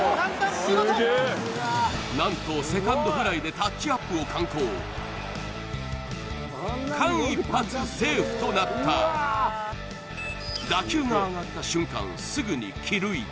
見事何とセカンドフライでタッチアップを敢行間一髪セーフとなった「打球が上がった瞬間すぐに帰塁」